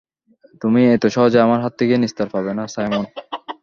তুমি এত সহজে আমার হাত থেকে নিস্তার পাবে না, সাইমন।